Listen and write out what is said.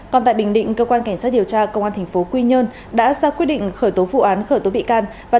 còn tại bình định cơ quan cảnh sát điều tra công an tp quy nhơn đã ra quyết định khởi tố vụ án khởi tố bị can